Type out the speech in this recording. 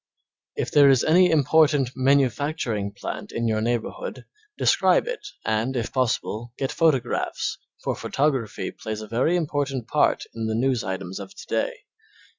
If there is any important manufacturing plant in your neighborhood describe it and, if possible, get photographs, for photography plays a very important part in the news items of to day.